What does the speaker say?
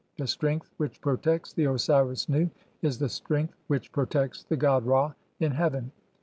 The strength 'which protects the Osiris Nu is the strength which protects the 'god Ra in heaven.